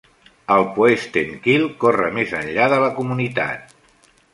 El Poesten Kill corre més enllà de la comunitat.